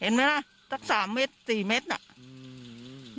ไหมและสามเมตรสี่เมตรอ่ะเร็ว